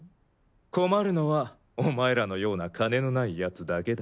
困るのはお前らのような金のないヤツだけだ。